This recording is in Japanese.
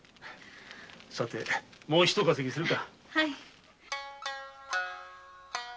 さてもう一稼ぎするか。